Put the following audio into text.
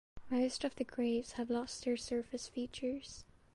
Most of the graves have lost their surface features.